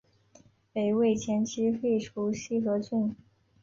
北魏前期废除西河郡。